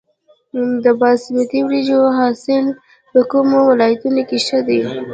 د باسمتي وریجو حاصل په کومو ولایتونو کې ښه دی؟